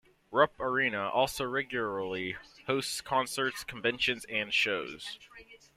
Rupp Arena also regularly hosts concerts, conventions and shows.